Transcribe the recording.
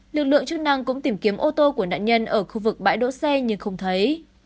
lực lượng chức năng cũng tìm kiếm ô tô của nạn nhân ở khu vực bãi đỗ xe nhưng không thấy